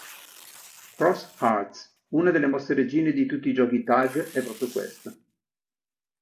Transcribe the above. Cross Arts: Una delle mosse regine di tutti i giochi Tag è proprio questa.